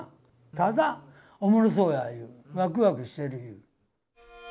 ただ、おもろそうやいう、わくわくしてるいう。